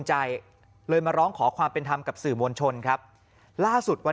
ใจเลยมาร้องขอความเป็นธรรมกับสื่อมวลชนครับล่าสุดวัน